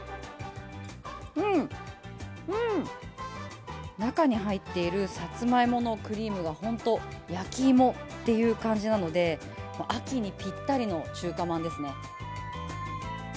うん、中に入っているさつまいものクリームがほんと焼き芋っていう感じなので、秋にぴったりの中華まんですね。